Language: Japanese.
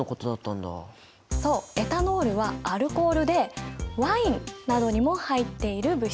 エタノールはアルコールでワインなどにも入っている物質。